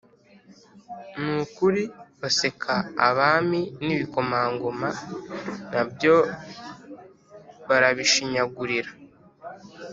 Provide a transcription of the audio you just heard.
ni ukuri baseka abami, n’ibikomangoma na byo barabishinyagurira